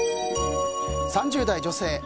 ３０代女性。